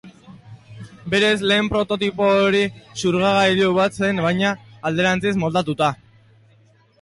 Berez, lehen prototipo hori xurgagailu bat zen baina alderantziz moldatuta.